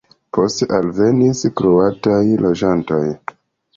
Poste alvenis kroataj loĝantoj.